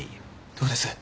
どうです？